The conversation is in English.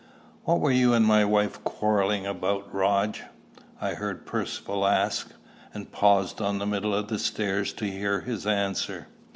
"What were you and my wife quarrelling about, Rodge?" I heard Percivale ask, and paused on the middle of the stair to hear his answer.